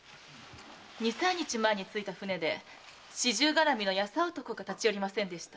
二三日前に着いた船で四十がらみの優男が立ち寄りませんでした？